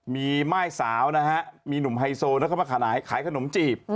มีม่ายสาวนะฮะมีหนุ่มไฮโซแล้วก็มาขายขายขนมจีบ